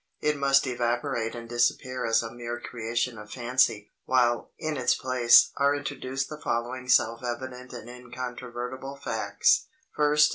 It must evaporate and disappear as a mere creation of fancy, while, in its place, are introduced the following self evident and incontrovertible facts First.